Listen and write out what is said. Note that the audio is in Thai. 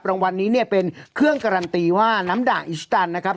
รางวัลนี้เนี่ยเป็นเครื่องการันตีว่าน้ำด่างอิสตันนะครับ